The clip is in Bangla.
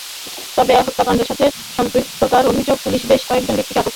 তবে হত্যাকাণ্ডের সাথে সম্পৃক্ততার অভিযোগে পুলিশ বেশ কয়েকজন ব্যক্তিকে আটক করেছে।